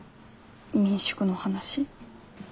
民宿の話。